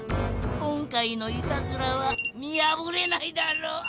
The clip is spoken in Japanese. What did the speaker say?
今回のいたずらは見やぶれないだろう！